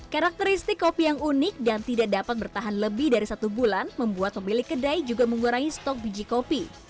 karakteristik kopi yang unik dan tidak dapat bertahan lebih dari satu bulan membuat pemilik kedai juga mengurangi stok biji kopi